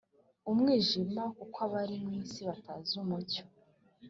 umwijima, kukw abari mw isi batazi umucyo